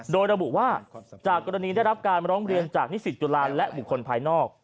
โดยระบุว่าจากกรณีได้รับการร้องเรียนจากนิสิตจุฬาและบุคคลภายนอก